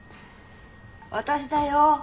私だよ。